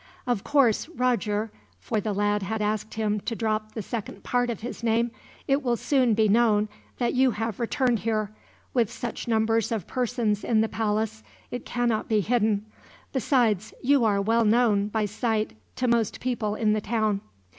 "Of course, Roger," for the lad had asked him to drop the second part of his name, "it will soon be known that you have returned here. With such numbers of persons in the palace, it cannot be hidden; besides, you are well known, by sight, to most people in the town."